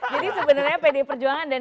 jadi sebenarnya pd perjuangan dan